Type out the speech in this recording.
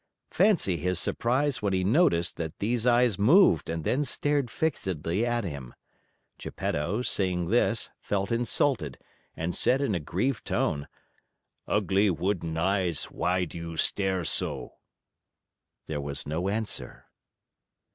Fancy his surprise when he noticed that these eyes moved and then stared fixedly at him. Geppetto, seeing this, felt insulted and said in a grieved tone: "Ugly wooden eyes, why do you stare so?" There was no answer.